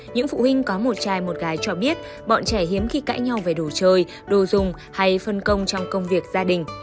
những phụ huynh có một trai một gái cho biết bọn trẻ hiếm khi cãi nhau về đủ chơi đồ dùng hay phân công trong công việc gia đình